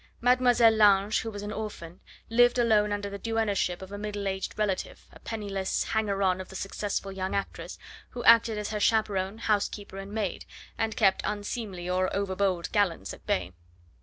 Mademoiselle Lange, who was an orphan, lived alone under the duennaship of a middle aged relative, a penniless hanger on of the successful young actress, who acted as her chaperone, housekeeper, and maid, and kept unseemly or over bold gallants at bay.